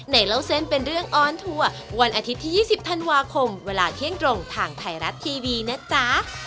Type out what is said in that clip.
เล่าเส้นเป็นเรื่องออนทัวร์วันอาทิตย์ที่๒๐ธันวาคมเวลาเที่ยงตรงทางไทยรัฐทีวีนะจ๊ะ